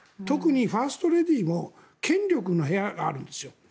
特にファーストレディーも権力の部屋があるんですよ。